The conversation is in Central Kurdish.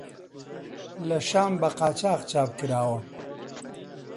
لە شام بە قاچاغ چاپ کراوە.